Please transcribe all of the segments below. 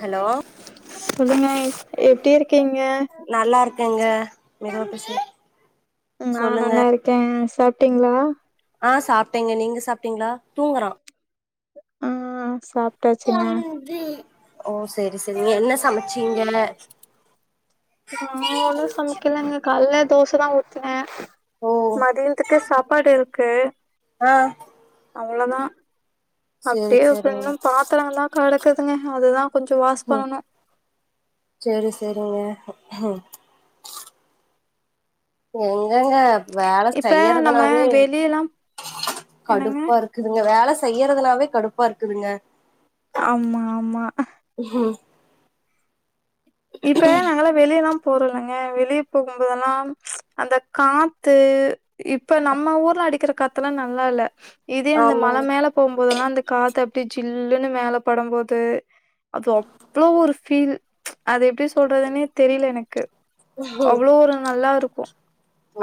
hello சொல்லுங்க எப்டி இருக்கீங்க நல்லா இருக்கங்க மிகவும் பிஸி ந நல்லாயிருக்கே சாப்பிட்டீங்களா ஆ சாப்டேங்க நீங்க சாப்டிங்களா தூங்குறா ஆ சாப் ஓ செரி செரி என்ன சமச்சீங்க நா ஒன்னு சமக்கலங்க காலையில தோசதா ஊத்துனே ஓ மதியத்துக்கு சாப்பாடு இருக்கு ஆ அவ்ளதா செரி அப்பிடியே இப்ப செரிங்க இன்னு பாத்தரங்கலா கடக்குதுங்க அதுதா கொஞ்சொ வாஷ் பண்ணணு சேரி சரிங்க எங்கங்க வேல இப்ப நம்ம செய்யறதுனாவே வெளியல்லா என்னங்க கடுப்பா இரு க்குதுங்க வேல செய்யறதுனாவே கடுப்பா இருக்குதுங்க ஆமா ஆமா ஹ்கும் இப்பலா நாங்களா வெளியலா போறலங்க வெளிய போகும்போதெல்லா அந்த காத்து இப்ப நம்ம ஊர்ல அடிக்கிற காத்தெலா நல்லாயில்ல இதே அந்த ஆமாங்க மல மேல போம்போதெல்லா அந்த காத்து அப்டியே ஜில்லுன்னு மேல படும் போது அது அவ்ளோ ஒரு ஃபீல் அது எப்டி சொல்றதுனே தெரில எனக்கு அவ்ளோ ஒரு நல்லா இருக்கு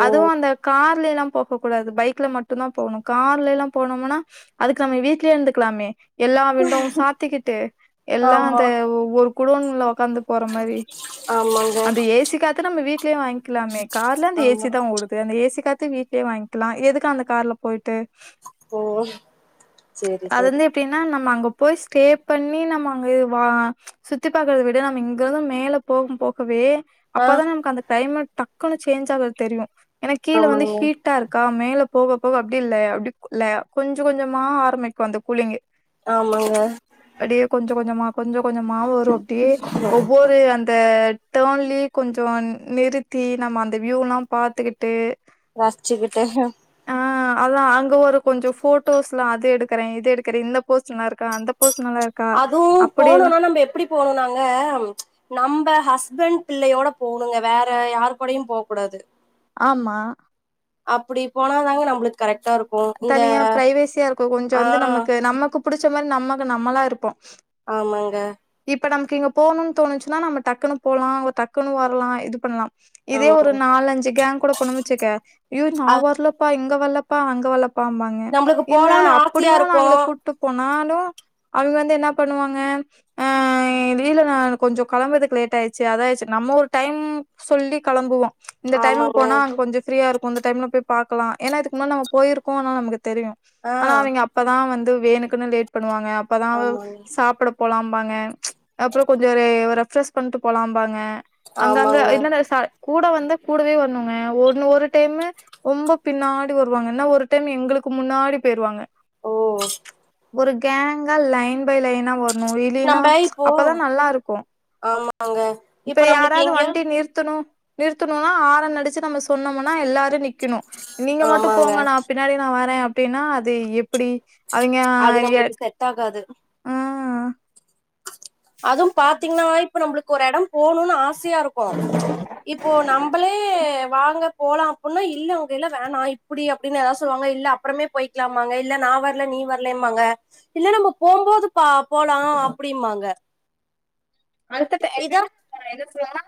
ஓ அதுவு அந்த கார்லெல்லா போக கூடாது பைக்ல மட்டு தா போகணு கார்ல எல்லா போனோம்னா அதுக்கு நாம வீட்லயே இருந்துக்கலாமே எல்லா விண்டோவு சாத்திக்கிட்டு எல்லா ஆமா அந்த ஒவ்வொரு குடோன்ல உக்காந்து போற மாரி ஆமாங்க அந்த ஏசி காத்த நம்ம வீட்லயே வாங்கிக்கலாமே கார்ல அந்த ஏசி ஆமா தா ஓடு து அந்த ஏசி காத்து வீட்லயே வாங்கிக்கலா எதுக்க அந்த கார்ல போயிட்டு ஓ சேரி செரி அப்பின்னா நம்ம அங்க போய் ஸ்டே பண்ணி நம்ம அங்கேவா சுத்தி பாக்குறத விட நம்ம இங் இங்கருந்து மேல போகும் போகவே ஆ அப்பதா நமக்கு அந்த கிளைமெட் டக்குன்னு சேஞ்ச் ஆகுறது தெரியு ஏனா கீழே வந்து ஆமாங்க ஹீட்டா இருக்கா மேல போக போக அப்டியில்ல அப்டி ல கொஞ்ச கொஞ்சமா ஆரம்பிக்கு அந்த கூலிங்கு ஆமாங்க அப்டியே கொஞ்ச கொஞ்சமா கொஞ்ச கொஞ்சமா வரு அப்டியே ஒரு அந்த டெர்ன்லே கொஞ்சோ நிறுத்தி நம்ம அந்த வியூலா பாத்துக்கிட்டு வாச்சிக்கிட்டு ஆ அதா அங்க ஒரு கொஞ்சோ ஃபோட்டோஸ்லா அது எடுக்குறே இது எடுக்குறே இந்த போஸ் நல்லா இருக்கா அந்தப் போஸ் நல்லாயிருக்கா அப்பிடியெல்லா போகலாங்க நம்ப ஹஸ்பண்ட் பிள்ளையோட போனோங்க வேற யார் கூடையு போ கூடாது ஆமா அப்டி போனாதாங்க நம்மளுக்கு கரெக்டா இருக் தனியா பிரைவேசியா இருக்கு கொஞ்ச வந்து நமக்கு நமக்கு புடிச்ச மாரி நமக்கு நம்மளா இருப்போ ஆமாங்க இப்போ நமக்கு இங்க போணும்னு தோணுச்சுன்னா நம்ம டக்குன்னு போலா ஒ டக்குன்னு வர்லா இது பண்லா இதே ஒரு ஆமாங்க நாலஞ்சு கேங் கூட போனோ வெச்சிக்க ஏய் நா அ வர்லப்பா இங்க வர்லப்பா அங்க வர்லப் பாம்பாங்க நம்மளுக்கு இல்ல போலான்னு ஆசையா அப்படியு இருக்கு நாங்கள கூட்டு போனாலு அவங்க வந்து என்ன பண்ணுவாங்க ஆ திடீனு நா கொஞ்சோ கழம்பறதுக்கு லேட் ஆயிச்சு அது ஆய்ச்சு நம்ம ஒரு டைம் சொல்லி களம்புவோ இந்த டைமுக்கு ஆமாங்க போனா அங்க கொஞ்சோ ஃப்ரீயா இருக்கு இந்த டைம்ல போய் பாக்கலா ஏனா இதுக்கு முன்ன நம்ம போயிரு போனா நமக்கு தெரியு ஆ ஆனா அவிங்க அப்பதா வந்து வேணுக்குன்னு லேட் பண்ணுவாங்க அப்பதா ஆமாங்க சாப்ட போலாம்பாங்க அப்றோ கொஞ்சோ ரெஃப்ரெஷ் பண்ட்டு போலாம்பாங்க அங்கங்க ஆமாங்க இல்லனா சார் கூட வந்தா கூடவே வருணுங்க ஒன்னு ஒரு டைமு ரொம்ப பின்னாடி வருவாங்க என்ன ஒரு டைம் எங்ளுக்கு முன்னாடி போயிருவாங்க ஓ ஒரு கேங்கா லைன் பை லைனா வர்ணு இல்லைனா நம்ப இப்போ அப்பதா நல்லா இருக்கு ஆமாங்க இப்ப நம்மளுக்கு யாராவது எங்கயா வண்டி நிறுத்தணு நிறுத்தணுனா ஆரன் அடிச்சு நம்ம சொன்னம்னா எல்லாரு நிக்கணு நீங்க மட்டு ஆமாங்க போங்க நா பின்னாடி நான் வர அப்டினா அது எப்டி அவிங்க அது நம்மளுக்கு செட் ஆகாது ஆ அதுவு பாத்தீங்கன்னா இப்ப நம்மளுக்கு ஒரு எடோ போகணுனு ஆசயா இருக்கு இப்போ நம்பளே வாங்க போலா அப்ன்னா இல்ல அங்கெல்லா வேணா இப்டி அப்டின்னு எதாவது சொல்வாங்க இல்ல அப்றமே போயிக்கலாமாங்க இல்ல நா வர்ல நீ வர்லம்பாங்க இல்ல நம்ம போம்போது பா போலா அப்டிம்பாங்க அடுத்த டை எப்டினா என்ன சொல்லுவாங்கனா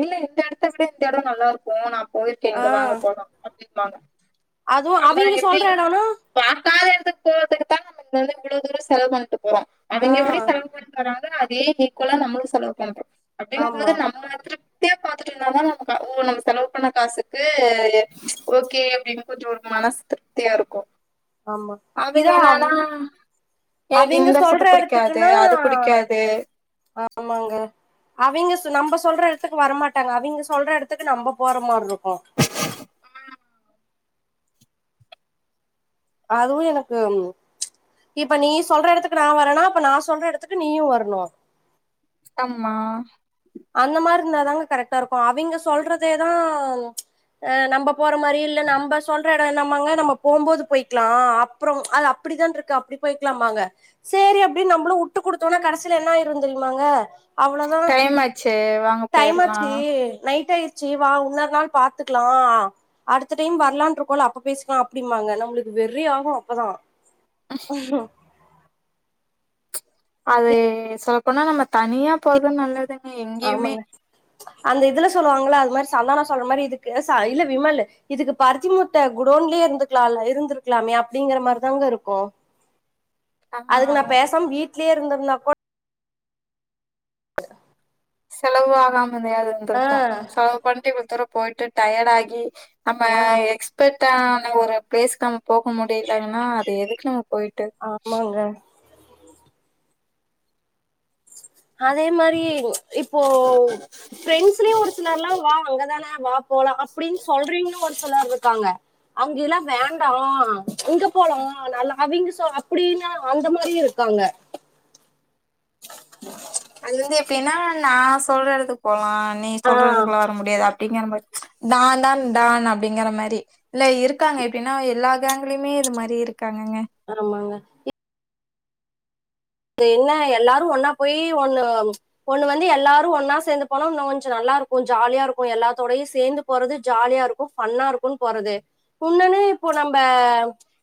இல்ல இந்த எடத்த விட இந்த எடோ நல்லா இருக்கு நா போயிருக்க இங்க வாங்க ஆஹ் போலா அப்டிம்பாங்க அதுவும் ஆனா அவங்க சொல்ற எப்டினா இடம்னா பாக்காத எடத்துக்கு போறதுக்குதா நம்ம இங்க வந்து இவ்ளோ தூரோ செலவு பண்ட்டு போறோ அவுங்க எப்டி ஆஹ் செலவு பண்ட்டு வராங்க அதையே ஈக்குவலா நம்ம செலவு பண்றோ ஆமா அப்டியாங்ம்போது நம்ம திருப்தியா பாத்துட்டு நம்மளு ஓ நம்ம செலவு பண்ண காசுக்கு ஓகே அப்டின்னு கொஞ்சோ ஒரு மனசு திருப்தியா இருக்கு ஆமா இதா அவுங் எனக்கு அவிங்க இந்த சொல்ற ஃபுட்டு பிடிக்காது எடத்துக்குனா அது பிடிக்காது ஆமாங்க அவிங்க சொன் நம்ம சொல்ற எடத்துக்கு வரமாட்டாங்க அவிங்க சொல்ற எடத்துக்கு நம்ம போற மாருக்கு அதுவு எனக்கு இப்ப நீ சொல்ற எடத்துக்கு நா வரனா அப்ப நா சொல்ற எடத்துக்கு நீயு வரணு ஆமா அந்த மார்ரி இருந்தா தாங்க கரெக்டா இருக்கு அவிங்க சொல்றதேதா அ நம்ப போற மாரி இல்லா நம்ப சொல்ற எடோ என்னமாங்க நம்ம போம்போது போய்க்லா அப்றோ அது அப்டிதான்றுக்கு அப்டி போய்க்கலாம்பாங்க சேரி அப்டின்னு நம்மளு விட்டு குடுத்துனா கடைசில என்ன ஆயிரு தெரியுமாங்க அவ்ளதா டைமாச்சு வாங்க டைமாச்சு போயிடலாம் நைட் ஆயிருச்சு வா இன்னொரு நாள் பாத்துக்கலா அடுத்த டைம் வரலான்றுக்கோல்ல அப்ப பேசிக்கலாம் அப்டிம்பாங்க நம்மளுக்கு வெறி ஆகு அப்பதா ஆயிரு அது சொல்லபோனா நம்ம தனியா போறதா நல்லதுங் ஆமாங்க அந்த இதுல சொல்லுவாங்ல்ல அது மாரி சந்தானோ சொல்ற மாரி இதுக்கு சை இல்ல விமலு இதுக்கு பருத்தி மூட்ட குடோன்லயே இருந்துக்கலால்ல இருந்திருக்கலாமே அப்டிங்கிற மாரிதாங்க இருக்கு அதுக்கு நா ஆஹ் பேசாம வீட்லயே இருந்திருந்தா கூட செலவு ஆகாமயதையாது இருந்திருக்கு ஆஹ் செலவு பண்ட்டு இவளோ தூரோ போய்ட்டு டயர்டு ஆகி நம்ம எக்ஸ்பர்ட்டான ஒரு பிளேஸ்க்கு நம்ம போக முடிலன்னா அது எதுக்கு நம்ம போய்ட்டு ஆமாங்க அதே மாரி இப்போ ஃப்ரெண்ட்ஸ்லயு ஒரு சிலர்ல்லா வா அங்கதான வா போலா அப்டின்னு சொல்றீங்கவளூ ஒரு சிலர் இருக்காங்க அங்கெல்லா வேண்டா இங்க போலா நல்லா அவிங்க சொ அப்டின்னா அந்த மாரியு இருக்காங்க ஹ அது வந்து எப்டின்னா நா சொல்ற எடத்துக்கு போலா நீ ஆஹ் சொல்றதுக்கெல்லா வர முடியாது அப் டிங்கற மாரி நான் தான் டான் அப்டிங்கிற மாரி இல்ல இருக்காங்க எப்டின்னா எல்லா கேங்லயுமே இது மாரி இருக்காங்கங்க ஆமாங்க இப் இது என்ன எல்லாரு ஒன்னா போயி ஒன்னு ஒன்னு வந்து எல்லாரு ஒன்னா சேந்து போலா இன்னு கொஞ்ச நல்லாருக்கும் ஜாலியா இருக்கு எல்லாத்தோடயு சேந்து போறது ஜாலியா இருக்கு ஃபன்னா இருக்குன்னு போறது உன்னொன்னு இப்ப நம்ப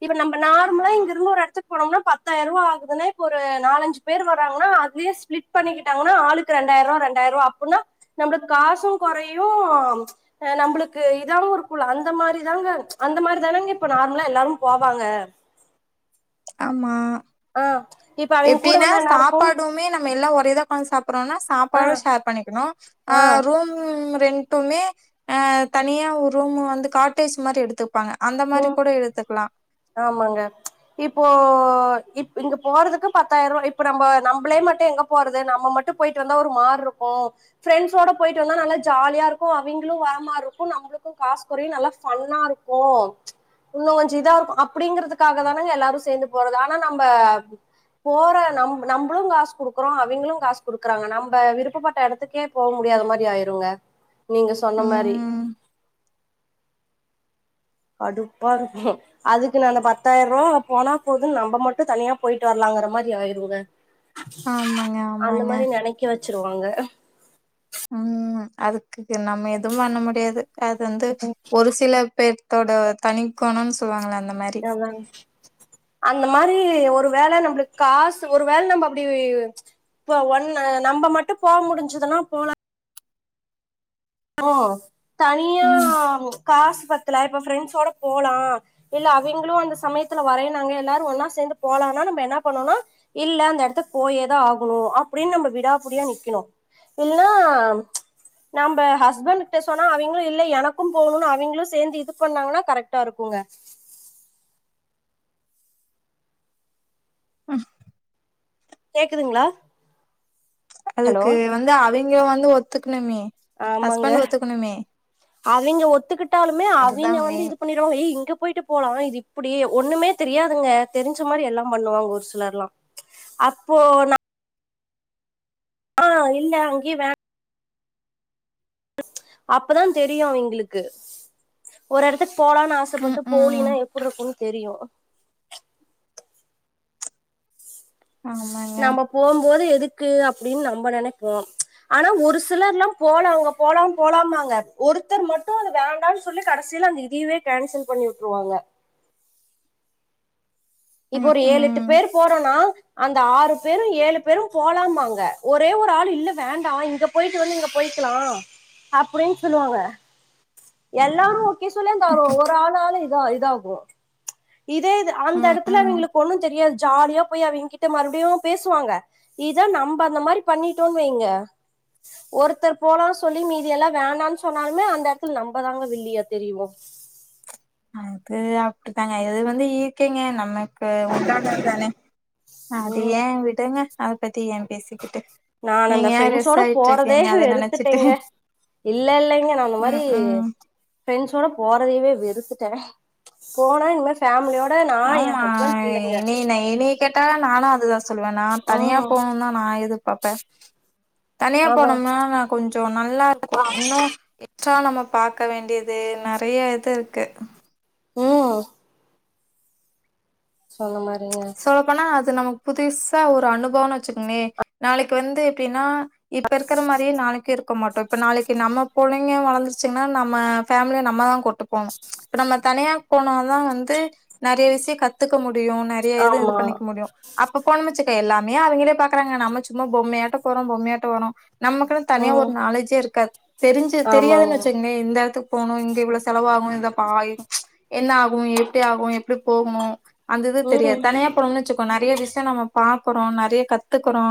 இப்ப நம்ப நார்மலா இங்கருந்து ஒரு எடத்துக்கு போனோம்னா பத்தாயிரூவா ஆகுதுன்னா இப்ப ஒரு நாலஞ்சு பேர் வராங்கன்னா அதுலயே ஸ்பிலிட் பண்ணிக்கிட்டாங்கன்னா ஆளுக்கு ரெண்டாயிரூவா ரெண்டாயிரூவா அப்புன்னா நம்பளுக்கு காசு கொறையு ஆ நம்பளுக்கு இதாவு இருக்குல்ல அந்த மாரிதாங்க அந்த மாரி தானங்க இப்ப நார்மலா எல்லாரும் போவாங்க ஆமா ஆஹ் இப்ப அவங்க கூட எப்டின்னா வந்தா என்ன இருக்கும் சாப்பாடுமே நம்ம எல்லா ஒரே இதா சாப்புறோன்னா சாப்பாடு ஆஹ் ஷேர் பண்ணிக்கணு ஆ ஆஹ் ரூம் ரெண்ட் மட்டுமே ஆ தனியா ஒரு ரூமு வந்து காட்டேஜ் மாரி எடுத்துப் பாங்க அந்த மாரி உம் கூட எடுத்துக்கலா ஆமாங்க இப்போ இப் இங்க போறதுக்கு பத்தாயிரூவா இப்ப நம்ப நம்பளே மட்டு எங்க போறது நம்ம மட்டும் போயிட்டு வந்தா ஒரு மார் இருக்கு ஃப்ரெண்ட்ஸோட போயிட்டு வந்தா நல்லா ஜாலியா இருக்கு அவிங்களு வர மாரி இருக்கு நம்பளுக்கு காஸ் கொறையு நல்லா ஃபன்னாருக் கு இன்னு கொஞ்ச இதாருக் அப்டிங்கறதுக்காக தானங்க எல்லாரு சேந்து போறது ஆனா நம்ப போற நம் நம்பளு காஸ் குடுக்குறோ அவிங்களு காஸ் குடுக்குறாங்க நம்ப விருப்பப்பட்ட எடத்துக்கே போ முடியாத மாரி ஆயிருங்க நீங்க சொன்ன மாரி ம் கடுப்பா இருக்கு அதுக்கு நானு பத்தாயிரூவா போனா போதுன்னு நம்ப மட்டு தனியா போயிட்டு வர்லாங்கற மாரி ஆயிருங்க ஆமாங்க அந்த ஆமாங்க மாரி நெனைக்க வச்சிருவாங்க ம் அதுக்கு நம்ம எதுவு பண்ண முடியாது அது வந்து ஒரு சில பேர்த்தோட தனிக்கொணன்னு சொல்லுவாங்கல்ல அந்த மாரி அதா அந்த மாரி ஒரு வேல நம்பளுக் காசு ஒரு வேல நம்ப அப்டி இப்ப ஒன்ன நம்ப மட்டு போவ முடிஞ்சுதுனா போலா ஓ தனியா ம் காஸ் பத்தல இப்ப ஃப்ரெண்ட்ஸோட போலா இல்ல அவிங்களு அந்த சமயத்துல வரேன்னாங்க எல்லாரு ஒன்னா சேந்து போலான்னா நம்ப என்ன பண்ணுன்னா இல்ல அந்த எடத்துக்கு போயேதா ஆகணு அப்டின்னு நம்ப விடாபிடியா நிக்கணு இல்ல நம்ப ஹஸ்பண்டுட்ட சொன்னா அவிங்களு இல்ல எனக்கும் போவுணுன்னு அவிங்களு சேந்து இது பண்ணாங்கன்னா கரெக்டா இருக்குங்க ம் கேக்குதுங்களா ஹலோ அதுக்கு வந்து அவிங்க வந்து ஒத்துக்கணுமே ஆமாங்க ஹஸ்பண்ட் ஒத்துக்கணுமே அவிங்க ஒத்துக்கிட்டாலுமே அதுதா அவிங்க வந்து மெயின் இது பண்ணிட் ஓ ஏய் இங்க போய்ட்டு போலா இது இப்டி ஒன்னுமே தெரியாதுங்க தெரிஞ்ச மாரி எல்லா பண்ணுவாங்க ஒரு சிலர்லா அப்போ நா இல்ல அங்கியே வே அப்பதா தெரியு அவிங்களுக்கு ஒரு எடத்துக் போலான் ம் ஆசப்பட்டு ம் போலினா எப்டி இருக்குன் தெரியு ஆமாங்க நம்ம போம்போது எதுக்கு அப்டின் நம்ப நெனைப்போ ஆனா ஒரு சிலர் லா போலாங்க போலா போலாம்னாங்க ஒருத்தர் மட்டு அத வேண்டான் சொல்லி கடைசில அந்த இது லீவே கேன்சல் பண்ணி வுட்ருவாங்க இப்போ ம் ஒர் ஏழெட்டு ம் பேர் போறோன்னா அந்த ஆறு பேரும் ஏழு பேரும் போலாம்பாங்க ஒரே ஒரு ஆளு இல்ல வேண்டா இங்கப் போய்ட்டு வந்து இங்க போய்க்கலா அப்டின் சொல்லுவாங்க எல்லாரு ஒகே சொல்லே அந்த ஒர் ஒரு ஆளால இதா இதாகு இதே இது அந்த ம் எடத் ம் ஒண்ணு தெரியாது ஜாலியா போய் அவிங்கிட்ட மறுபடியு பேசுவாங்க இதா நம்ப அந்த மாரி பண்ணிட்டோன் வைங்க ஒருத்தர் போலான் சொல்லி மீதியெல்லா வேண்டான் சொன்னாலுமே அந்த எடத்துல நம்பதாங்க வில்லியா தெரிவோ அது அப்டிதாங்க இது வந்து இயர்க்கேங்க நமக்கு உண்டானதானே அது ம் ஏ விடுங்க அதபத்தி ஏன் பேசிக்கிட்டு நான் நீங்க அந்த ஏன் ரெஸ் ஃப்ரெண்ஸோட ஆயிட்டு போறதே இருக்கீங்க அத நெனச்சிட்டு வெறுத்துட்டேங்க இல்ல இல்லைங்க நா அந்த மாரி ம் ம் ஃப்ரெண்ஸோட போறதையவே வெறுத்துட்டே போனா இனிமேல் ஃபேமிலியோ ஆமா ஏனேன ஏனே கேட்டா நானு அதுதா சொல்லுவே நா தனியா ம் போன்தா நா எதிர்பாப்பே தனியா அதா போனோம்னா நா கொஞ்சோ நல்லா இருந்துக்லா இன்னு விட்டா நம்ம பாக்க வேண்டியது நெறைய இது இருக்கு உம் சொன்ன மாரிங்க போனா அது நமக்கு புதுசா ஒரு அனுபவன் வச்சுக்கோங்ளே நாளைக்கு வந்து எப்டின்னா இப்ப இருக்கிற மாரியே நாளைக்கு இருக்க மாட்டோ இப்ப நாளைக்கு நம்ம புள்ள ங்க வளந்துச்சுங்கன்னா நம்ம ஃபேமிலியா நம்ம தா கூட்டுப்போனு இப்ப நம்ம தனியா போனாதா வந்து நெறைய விஷயம் கத்துக்க முடியு நெறைய இது இது ஆமா பண்ணிக்க முடியு அப்ப போனோம் வச்சிக்கோ எல்லாமே அவுங்களே பாக்குறாங்க நம்ம சும்மா பொம்மையாட்டோ போறோ பொம்மையாட்டோ வாரோ நமக்கு தனியா ஒரு ம் நாலெட்ஜே இருக்காது தெரிஞ்சு தெரியாதுன் ஆமாங்க வச்சுங்ளே இந்த இடத்துக் போனோ இங்க இவ்ளோ செலவாகு இந்த பாய் என்னாகு எப்டி ஆகும் எப்டி போகணு அந்த இது ம் தெரியாது தனியா போறோ வச்சுக்கோ நெறைய விஷயம் நம்ம பாக்குறோ நெறைய கத்துக்குறோ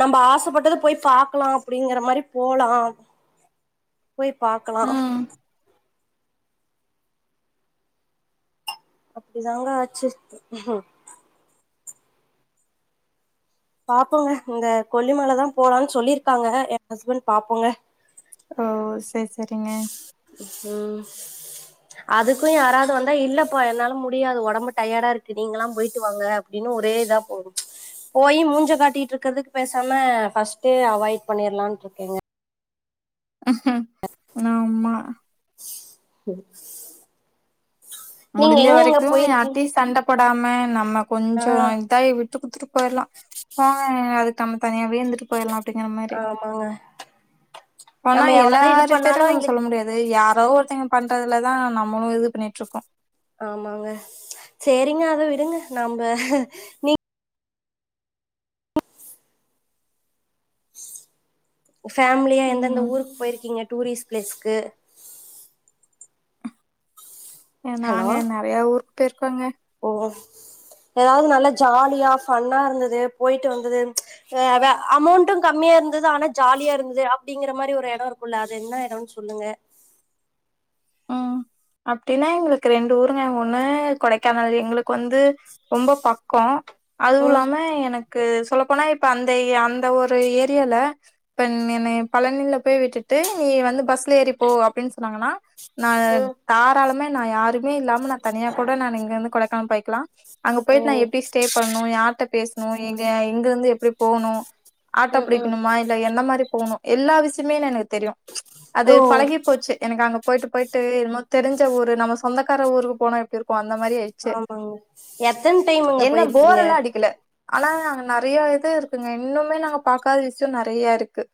நம்ப ஆசப்பட்டது போய் பாக்கலா அப்டிங்கிற மாரி போலாம் போய் பாக்கலா ம் அப்டி தாங்க ஆச்சு பாப்போங்க இந்த கொல்லிமல தா போலான் சொல்லியிருக்காங்க எ ஹஸ்பண்ட் பாப்போங்க ஓ சேர் சேரிங்க உம் அதுக்கு யாராவது வந்தா இல்லப்பா என்னால முடியாது ஒடம்பு டயர்டா இருக்கு நீங்கல்லா போய்ட்டு வாங்க அப்டின் ஒரே இதா போகும் போய் மூஞ்ச காட்டிட்டு இருக்கிறதுக்கு பேசாம ஃபர்ஸ்ட்டே அவாய்ட் பண்ணிறலானு இருக்கேங்க ஆமா [unintelligible] நீங்க முடிஞ்ச எங்கெங்க வரைக்கும் போயிருக்கீங்க யார்ட்டியு சண்டபோடாம நம்ம ஆ கொஞ்சோ இதாய் விட்டு குடுத்துட்டு போய்றலாம் போங்கங்க அதுக்கு நம்ம தனியாவே இருந்துட்டு போய்டலாம் அப்டிங்கிற மாரி ஆ ஆனா எல்லாரு பண்ணாலு பேரும் நம்ம எங்களுக்கு சொல்ல முடியாது யாரோ ஒருத்தங்க பண்றதுல தான் நம்மளும் இது பண்ணிட்டு இருக்கோம் ஆமாங்க சேரிங்க அத விடுங்க நம்ப நீ ஃபேமிலியா எந்த எந்த ம் ஊருக்கு போய்ருக்கீங்க டூரிஸ்ட் பிளேஸ்க்கு எ ஹலோ நாங்க நறையா ஊருக்கு போய்ருக்கோங்க ஓ ஒஸ் எதாவது நல்லா ஜாலியா ஃபன்னா இருந்தது போய்ட்டு வந்தது அ வே அமௌண்டும் கம்மியா இருந்தது ஆனா ஜாலியா இருந்தது அப்டிங்கிற மாரி ஒரு இடம் இருக்குல்ல அது என்ன இடம்ன்னு சொல்லுங்க ம் அப்டின்னா எங்களுக்கு ரெண்டு ஊருங்க ஒண்ணு கொடைக்கானல் எங்களுக்கு வந்து ரொம்ப பக்கோம் அதுவும் ம் இல்லாம எனக் கு சொல்ல போனா இப்ப அந்த ஏ அந்த ஒரு ஏரியால இப்ப என் என்னைய கொழந்தைகள போய் விட்டுட்டு நீ வந்து பஸ்ல ஏறிப்போ அப்டின்னு சொன்னாங்கன்னா நான் ம் தாராளமே நான் யாருமே இல்லாம நா தனியா கூட நான் இங்க வந்து கொடைக்கானல் போய்க்கலாம் அங்க ஓ போய்ட்டு நான் எப்டி ஸ்டே பண்ணும் யார்ட்ட பேசணும் எங்க எங்க இருந்து எப்டி போணும் ஆட்டோ ம் ம் பிடிக்கணுமா இல்ல எந்த மாரி போணும் எல்லா விஷயமே எனக்கு தெரியு அது ஓ பழகி போச்சு எனக்கு அங்க போய்ட்டு போய்ட்டு என்மோ தெரிஞ்ச ஊரு நம்ம சொந்தக்கார ஊருக்கு போன இருக்கும் அந்த மாரி ஆய்டுச்சு ஆமாங்க எத்தன டைமுங்க என்ன போர் போயிருக்கீங்க எல்லா அடிக்கல ஆனா அங்க நறையா இது இருக்குங்க இன்னுமே நாங்க பாக்காத விஷயோ நறையா இருக்கு